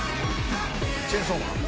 『チェンソーマン』？